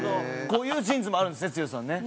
こういうジーンズもあるんですね剛さんね。